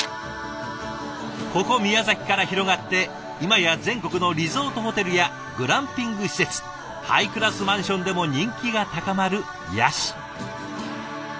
ここ宮崎から広がって今や全国のリゾートホテルやグランピング施設ハイクラスマンションでも人気が高まるヤシ。